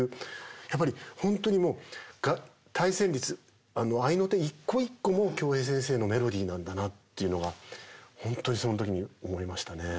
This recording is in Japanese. やっぱり本当にもう対旋律合いの手一個一個も京平先生のメロディーなんだなっていうのが本当にその時に思いましたね。